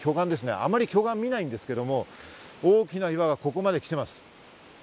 あまり巨岩は見ないんですけど、大きな岩がここまで来ています。